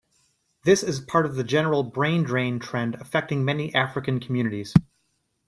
This is part of the general brain-drain trend affecting many African communities.